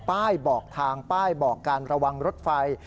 ป้ายบอกทางป้ายบอกการระวังรถไฟ